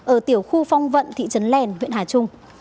ở tiểu khu phong vận thị trấn lèn huyện hà trung